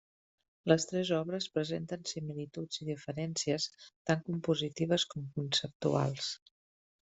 Les tres obres presenten similituds i diferències tant compositives com conceptuals.